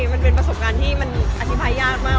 มันเป็นประสบการณ์ที่มันอธิบายยากมาก